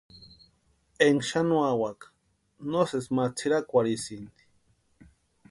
Énka xanuawaka no sési ma tsʼirakwarhisïnti.